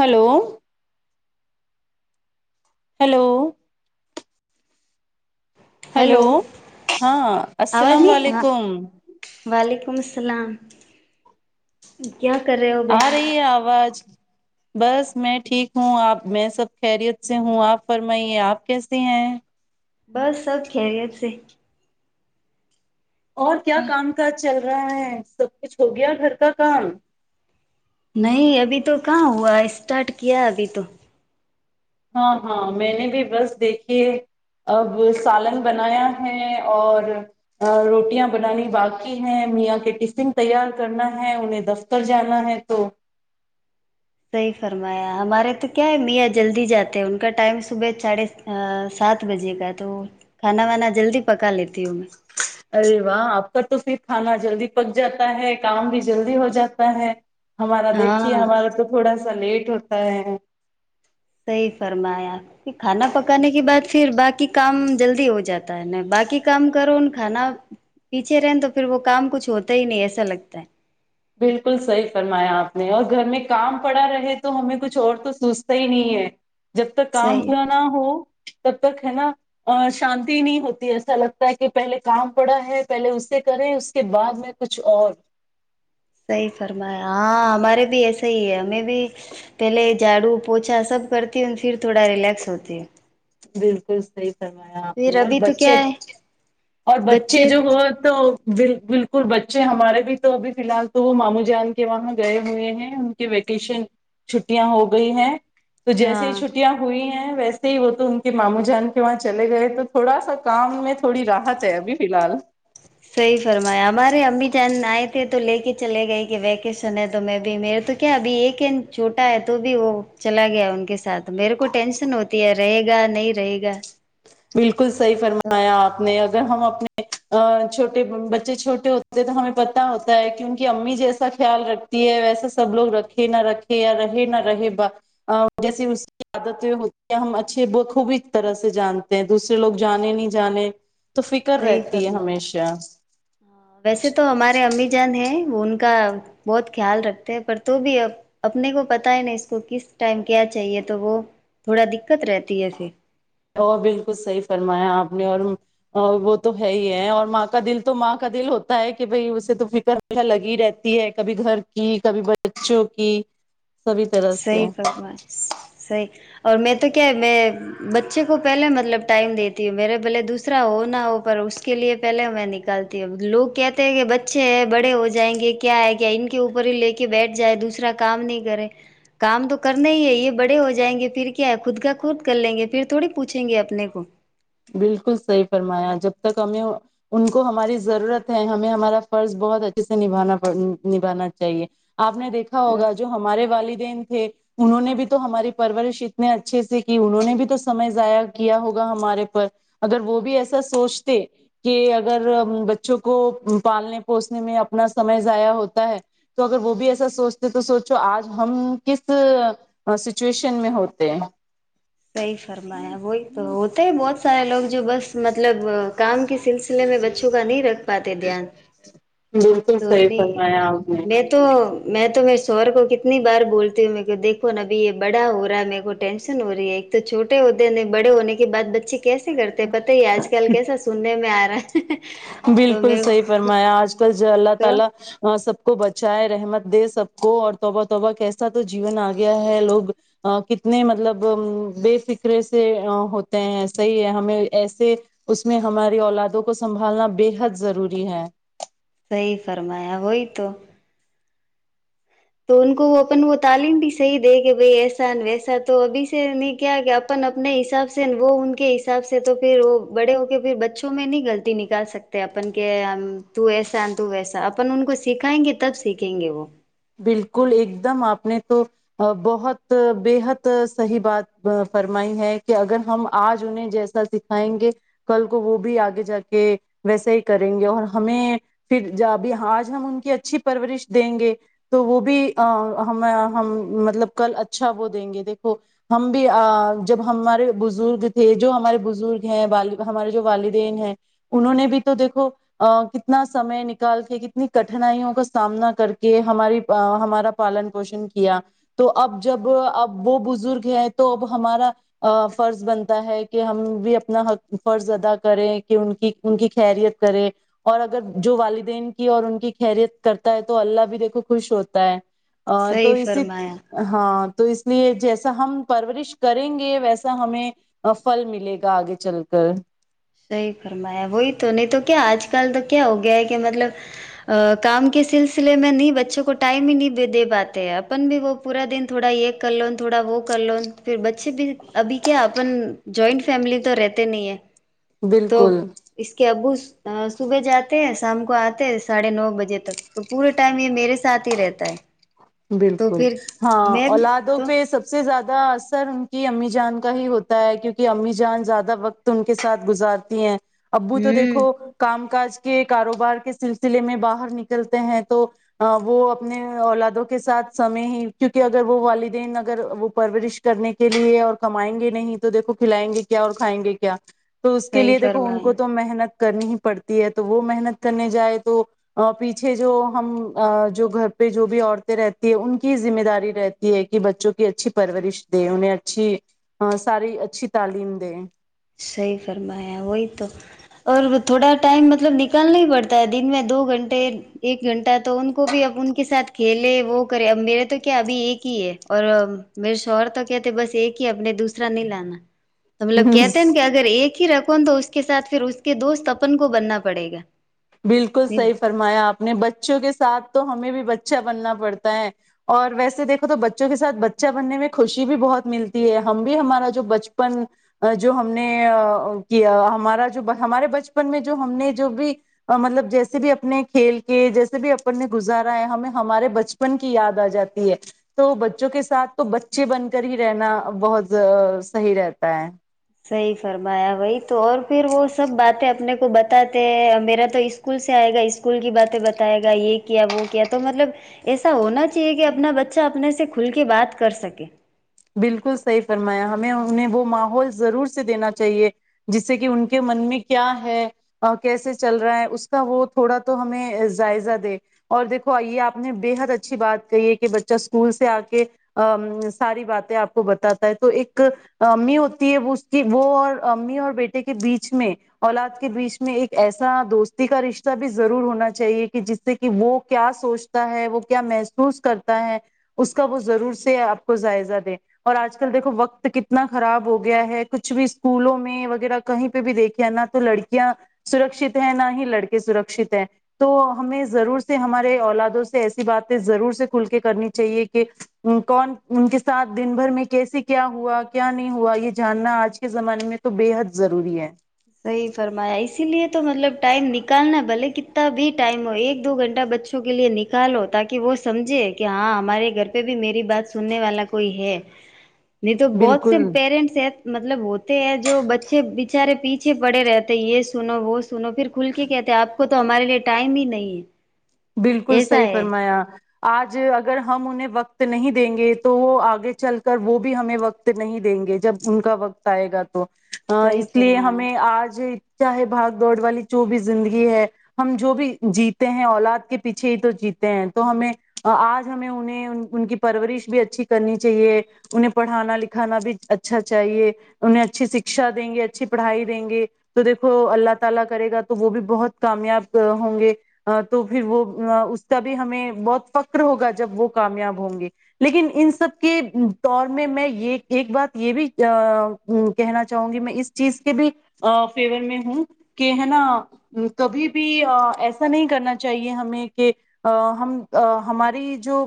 hello hello hello hello ہاں السلام علیکم ولیکم السلام کیا کر رہے ہو آ بہن رہی ہے آواز بس میں ٹھیک ہوں آپ میں سب خیریت سے ہوں آپ فرمائیے آپ کیسے ہیں بس سب ک گیا سے اور کیا کام کاج چل رہا کر رہا ہے سب کچھ ہو گیا گھر کا کام نہیں ابھی تو کہاں ہوا اسٹارٹ کیا ابھی تو ہاں ہاں میں نے بھی بس دیکھیے اب سالن بنایا ہے اور روٹیاں بنانی باقی ہے میاں کے ٹفن تیار کرنا ہے انہیں دفتر جانا ہے تو صحیح فرمایا ہمارے تو کیا ہے میاں جلدی جاتے ہیں ان کا ٹائم صبح ساڑھے سات بجے کا تو کھانا وانا جلدی پکا لیتی ہوں میں ارے واہ آپ کا تو صرف کھانا جلدی پک جاتا ہے کام بھی جلدی ہو جاتا ہے ہمارا دیکھیے ہاں ہمارا تو تھوڑا سا ایا لیٹ ہوتا ہے صحیح فرمائیں آپ کہھر کھانا پکانے کے بعد پھر باقی کام جلدی ہو جاتا ہے ن باقی کام کرو کھانا پیچھے رہیں تو پھر وہ کام کچھ ہوتا ہی نہیں ایسا لگتا ہے بالکل صحیح فرمایا آپ نے اور گھر میں کام پڑا رہے تو ہمیں کچھ اور تو سوچتا ہی نہیں ہے جب تک کام صحیح پا نہ ہو تب تک ہے نا شانتی نہیں ہوتی ایسا لگتا ہے کہ پہلے کام پڑا ہے پہلے اسے کریں اس کے بعد میں کچھ اور صحیح فرمایا ہاں ہمارے بھی ایسا ہی ہے ہمیں بھی پہلے جھاڑو پوچا سب کرتی ہوں پھر تھوڑا ریلیکس ہوتی ہوں بالکل صحیح فرمایا آپ پھر نے اور ابھی تو بچے کیا ہے اور بچے جو ہو تو بالکل بچے ہمارے بھی تو ابھی فی الحال تو وہ مامو جان کے وہاں گئے ہوئے ہیں ان کے ویکیشن چھٹیاں ہو گئی ہیں تو جیسے ہاں ہی چھٹیاں ہیں ویسے ہی وہ تو ان کے ماموں جان کے وہاں چلے گئے تو تھوڑا سا کام میں تھوڑی رحت ہے ابھی فی الحال صحیح فرمایا ہمارے امی جان آئے تھے تو لے کے چلے گئے کہ ویکیشن ہے تو میں بھی میرے تو کیا ابھی ایک ا چھوٹا ہے تو بھی وہ چلا گیا ان کے ساتھ میرے کو ٹینشن ہوتی ہے رہے گا نہیں رہے گا بالکل صحیح تو فرمایا آپ نے اگر ہم اپنی ا چھوٹے بچے چھوٹے ہوتے ہیں تو ہمیں پت ہوتا ہے کہ ان کی امی جیسا خیال رکھتی ہے ویسا سب لوگ رکھے نہ رکھے یا رہے نہ رہے جیسے اس کی عادتیں ہوتی ہے ہم اچھے خوب طرح سے جانتے دوسرے لوگ جانے نہیں جانے تو فکر صحی رہتی ہے فرمایا ہمیشہ ویسے تو ہمارے امی جان ہیں وہ ان کا بہت خیال رکھتے ہیں پر تو بھی اب اپنے کو پتہ ہے نہیں اس کو کس ٹائم کیا چاہیے تو وہ تھوڑا د وہ بالکل صحیح فرمایا آپ نے اور اور وہ تو ہے ہی ہے اور ماں کا دل تو ماں کا دل ہوتا ہے کہ بھائی اسے تو فکرر لگی رہتی ہے کبھی گھر کی کبھی بچوں کی سبھی طرح سے صحی کر میں صحیح اور میں تو کیا ہے میں بچے کو پہلے مطلب ٹائم دیتی ہوں میرے بھلے دوسرا ہو نہ ہو پر اس کے لیے پہلے میں نکالتی ہوں لوگ کہتے ہیں کہ بچے ہیں بڑے ہو جائیں گے کیا ہے کیا ان کے اوپر ہی لے کے بیٹھ جائے دوسرا کام نہیں کرے کام تو کرنا ہی ہے یہ بڑے ہو جائیں گے پھر کیا ہے خود کا خود کر لیں گے پھر تھوڑی پوچھیں گے اپنے کو بالکل صحیح فرمایا جب تک ہمیں ان کو ہماری ضرورت ہے ہمیں ہمارا فرض بہت اچھے سے نبھانا نبھانا چاہیے آپ نے دیکھا تو ہوگا جو ہمارے والدین تھے انہوں نے بھی تو ہماری پرورش اتنے اچھے سے کی انہوں نے بھی تو سمے ضائع کیا ہوگا ہمارے اگر وہ بھی ایسا سوچتے کہ اگر بچوں کو پالنے پوسنے میں اپنا سمے ضائع ہوتا ہے تو اگر وہ بھی ایسا سوچتے تو سوچو آج ہم کس سچویشن میں ہوتے ہیں صحی فرمایا وہی تو ہوتا ہی بہت بہت سارے لوگ جو بس مطلب کام کے سلسلے میں بچوں کا نہیں رکھ پاتے دھیان بالکل تو صحیح نہیں فرمایا آپ نے میں تو میں تو میں سور کو کتنی بار بولتی ہوں کو دیکھو ن ابھی یہ بڑا ہو رہا ہے میرے کو ٹینشن ہو رہی ہے ایک تو چھوٹے ہوتے ن بڑے ہونے کے بعد بچے کیس کرتے پت ہی آج کل کیسا سننے میں آ رہ بالکل صحی فرمایا آج کل اللہ تو تعالی سب کو بچائے رحمت دے سب کو اور توبہ توبہ کیسا تو جیون آ گیا ہے لوگ کتنے مطلب بے فکرے سے ہوتے ہیں صحیح ہے ہمیں ایسے اس میں ہماری اولادوں کو سنبھالنا بے حد ضروری ہے صحی فرمایا وہی تو تو ان کو وہ اپن وہ تعلیم بھی صحیح دے کہ بھائی ایسا ویسا تو ابھی سے نہیں کیا کہ اپن اپنے حساب سے وہ ان کے حساب سے تو پھر وہ بڑے ہو کے پھر بچوں میں نہیں غلطی نکال سکتے اپن کہ تو ایسا تو ویسا اپن ان کو سکھائیں گے تب سیکھیں گے وہ بالکل ایک دم آپ نے تو بہت بےحد صحیح بات فرمائی ہے کہ اگر ہم آج انہیں جیسا سکھائیں گے کل کو وہ بھی آگے جا کے ویسا ہی کریں گے اور ہمیں پھرب آج ہم ان کی اچھی پرورش دیں گے تو وہ بھی ہم ہم مطلب کل اچھا وہ دیں گے دیکھو ہم بھی جب ہمارے بزرگ تھے جو ہمارے بزرگ ہیں ہمارے جو والدین ہیں انہوں نے بھی تو دیکھو کتنا سمے نکال کے کتنی کٹھنائیوں کا سامنا کر کے ہماری ہمارا پالن پوشن کیا تو اب جب اب وہ بزرگ ہیں تو اب ہمارا فرض بنتا ہے کہ ہم بھی اپنا فرض ادا کریں کہ ان کی ان کی خریت کرے اور اگر جو والدین کی اور ان کی خیریت کرتا ہے تو اللہ بھی دیکھو خوش ہوتا ہے ا تو صحیح اسی فرمایا ہاں تو اس لیے جیسا ہم پرورش کریں گے ویسا ہمیں فھل ملے گا آگے چل کر صحیح فرمایا وہی تو نہیں تو کیا آج کل تو کیا ہو گیا ہے کہ مطلب کام کے سلسلے میں نہیں بچوں کو ٹائم ہی نہیں دے پاتے ہیں اپن بھی وہ پورا دن تھوڑا یہ کر لو تھوڑا وہ کر لو پھر بچے بھی ابھی کیا اپن جوائنٹ فیملی تو رہتے نہیں ہے تو بالکل اس کے ابو صبح جاتے ہیں شام کو آتے ہیں ساڑھے نو بجے تک تو پورے ٹائم یہ میرے ساتھ ہی رہتا ہے تو بالکل پھر ہاں میں اولادوں تو پہ سب سے زیادہ زیاد اثر ان کی امی جان کا ہی ہوتا ہے کیونکہ امی جان زیادہ وقت ان کے ساتھ گزارتی ہیں ابو تو ہوں دیکھو کام کاج کے کاروبار کے سلسلے میں باہر نکلتے ہیں تو وہ اپنے اولادوں کے کے ساتھ سمے ہی کیونکہ اگر وہ والدین اگر وہ پرورش کرنے کے لیے اور کمائیں گے نہیں تو دیکھو کھلائیں گے کیا اور کھائیں گے کیا تو اس کے صحیح لیے دیکھو ان فرمایا کو تو محنت کرنی ہی پڑتی ہے تو وہ محنت کرنے جائے تو پیچھے جو ہم جو گھر پہ جو بھی عیں رہتی ہے ان کی ذمہ داری رہتی ہے کہ بچوں کی اچھی پرورش دے انہیں اچھی ساری اچھی تعلیم دیں صحی فرمایا وہی تو اور تھوڑا ٹائم مطلب نکالنا ہی پڑتا ہے دن میں دو گھنٹے ایک گھنٹہ تو ان کو بھی اب ان کے ساتھ کھیلے وہ کرے اب میرے تو کیا ابھی ایک ہی ہے اور میرے شوہر تو کہتےے بس ایک ہی اپنے دوسرا نہیں لانا تو ہ ہ مطلب ہ کہتے ہیں کہ اگر ایک ہی رکھو تو اس کے ساتھ پھر اس کے دوست اپن کو بننا پڑے گا بالکل صحیح فرمایا آپ نے بچوں کے ساتھ تو ہمیں بھی ب بچا بننا پڑتا ہے اور ویسے دیکھو تو بچوں کے ساتھ بچہ بننے میں خوشی بھی بہت ملتی ہے ہم بھی ہمارا جو بچپن جو ہم نے کیا ہمارا جو ہمارے بچپن میں جو ہم نے جو بھی مطلب جیسے بھی اپنے کھیل کے جیسے بھی اپن نے گزارا ہے ہمیں ہمارے بچپن کی یاد آ جاتی ہے تو بچوں کے ساتھ تو بچے بن کر ہی رہنا بہت صحیح رہتا ہے صحیح فرمایا بی تو اور پھر وہ سب باتیں اپنے کو بتاتے ہیں میرا تو اسکول سے آئے گا اسکول کی باتیں بتائے گا یہ کیا وہ کیا تو مطلب ایسا ہونا چاہیے کہ اپنا بچہ اپنے سے کھل کے بات کر سکے بالکل صحیح فرمایا ہمیں انہیں وہ ماحول ضرور سے دینا چاہیے جس سے کہ ان کے من میں کیا ہے کیسے چل رہا ہے اس کا وہ تھوڑا تو ہمیں جائزہ دے اور دیکھو آئیے آپ نے بے حد اچھی بات کہی ہے کہ بچہ اسکول سے آ کے ساری بات آپ کو بتاتا ہے تو ایک امی ہوتی ہے وہ اس کی وہ اور امی اور بیٹے کے بیچ میں اولاد کے بیچ میں ایک ایسا دوستی کا رشتہ بھی ضرور ہونا چاہیے کہ جس سے کہ وہ کیا سوچتا ہے وہ کیا محسوس کرتا ہے اس کا وہ ضرور سے آپ کو جائزہ دے اور آج کل دیکھو وقت کتنا خراب ہو گیا ہے کچھ بھی اسکولوں میں وغیرہ کہیں پہ بھی دیکھے نہ تو لڑکیاں سرکشت ہیں نہ ہی لڑکے سرکشت ہیں تو ہمیں ضرور سے ہمارے اولادوں سے ایسی باتیں ضرور سے کھل کے کرنی چاہیے کہ کون ان کے ساتھ دن بھر میں کیسے کیا ہوا کیا نہیں ہوا یہ جاننا آج کے زمانے میں تو بے حد ضروری ہے صحیح فرمایا اسی لیے تو مطلب ٹائم نکالنا ہے بھلے ک بھی ٹائم ہو ایک دو گھنٹے چھٹا بچوں کے لیے نکالو تاکہ وہ سمجھے کہ ہاں ہمارے گھر پہ بھی میری بات سننے والا کوئی ہے نہیں تو بہت سے بالکل پیرنٹس ہیں مطلب ہوتے ہیں جو بچے بچارے پیچھے پیچھے پڑے رہتے یہ سنو وہ سنو پھر کھل کے کہتے آپ کو تو ہمارے لیے ٹائم ہی نہیں ہے بالکل ایسا صحی ہے فرمایا آج اگر ہم انہیں وقت نہیں دیں گے تو وہ آگے چل کر وہ بھی ہمیں وقت نہیں دیں گے جب ان کا وقت آئے گا تو صحیح اس لیے فرمایا ہمیں آج چاہے بھاگ دوڑ والی جو بھی زندگی ہے ہم جو بھی جیتے ہیں اولاد تو ہمیں اج ہمیں انہیں ان کی پرورش بھی اچھی کرنی چاہیے انہیں پڑھانا لکھانا بھی اچھا چاہیے انہیں اچھی شکشہ دیں گے اچھی پڑھائی دیں گے تو دیکھو اللہ تعالی کرے گا تو وہ بھی بہت کامیاب ہوں گے تو وہ اس کا بھی ہمیں بہت فکر ہوگا جب وہ کامیاب ہوں گے لیکن ان سب کے دور میں میں یہ ایک بات یہ بھی کہنا چاہوں گی میں اس چیز کے بھی فیور میں ہوں کہ ہے نا کبھی بھی ایسا نہیں کرنا چاہے ہمیں کہ ہم ہماری جو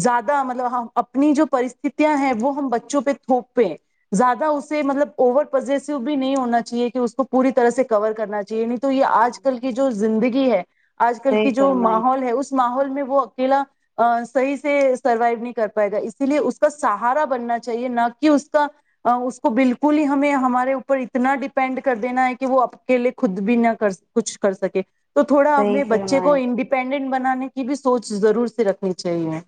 زیادہ مطلب اپنی جو پرستتیاں ہیں وہ ہم بچوں پہ تھوپ پے زیادہ اسے مطلب اوور پزیسو بھی نہیں ہونا چاہیے کہ اس کو پوری طرح سے کور کرنا چاہیے تو یہ آج کل کی جو زندگی ہے آج کل کی صحیح جو فرمایا ماحول ہے اس ماحول میں وہ اکیلا صحیح سے سروائو نہیں کر پائے گا اسی لیے اس کا سہارا بننا چاہیے نہ کہ اس کا اس کو بالکل ہی ہمیں ہمارے اوپر اتنا ڈپینڈ کر دینا ہے کہ وہ اکیلے خود بھی نہ کر کچھ کر سکے تو تھوڑا صحیح اپنے بچے کو فرمایا انڈیپینڈنٹ بنانے کی بھی سوچ ضرور سے رکھنی چاہیے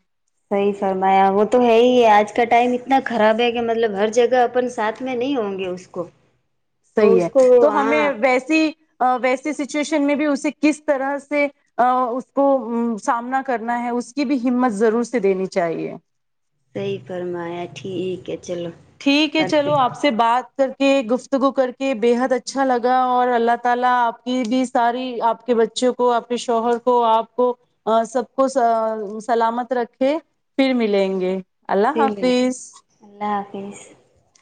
صحیح فرمایا وہ تو ہے ہی ہے آج کا ٹائم اتنا خراب ہے کہ مطلب ہر جگہ اپن ساتھ میں نہیں ہوں گے اس کو تو صحیح ہے اس کو تو ہمیں ہاں ویسی ویسی سچویشن میں بھی اسے کس طرح سے اس کو سامنا کرنا ہے اس کی بھی ہمت ضرور سے دینی چاہیے صحیح فرمایا ٹھیک ہے چلو ٹھیک ہے کرتے چلو آپ سے بات گفتگو کر کے بے حد اچھا لگا اور اللہ تعالی اپ کی بھی ساری اپ کے بچوں کو اپ کے شوہر کو اپ کو سب کو سلامت رکھے پھر ملیں اللہ پھر ملیں حافظ [unintelligible]